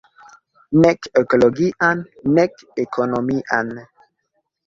Nek ekologian, nek ekonomian.